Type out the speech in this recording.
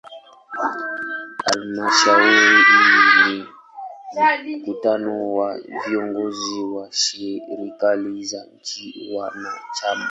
Halmashauri hii ni mkutano wa viongozi wa serikali za nchi wanachama.